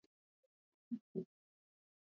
زلزله د چا په ګناه او کړنه پورې تړاو نلري.